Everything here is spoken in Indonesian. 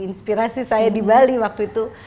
inspirasi saya di bali waktu itu